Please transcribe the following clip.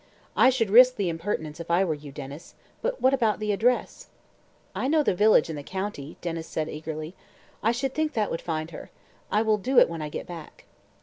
"I should risk the impertinence if I were you, Denys. But what about the address?" "I know the village and the county," Denys said eagerly. "I should think that would find her. I will do it when I get back."